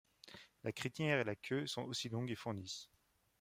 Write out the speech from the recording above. La crinière et la queue sont aussi longues et fournies.